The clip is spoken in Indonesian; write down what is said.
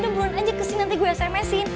udah bulan aja kesini nanti gue sms in